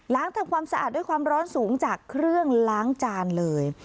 ทำความสะอาดด้วยความร้อนสูงจากเครื่องล้างจานเลย